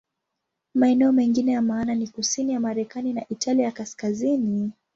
Maeneo mengine ya maana ni kusini ya Marekani na Italia ya Kaskazini.